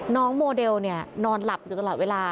น้องโมเดลนี่นอนหลับอยู่ตลอดเวลา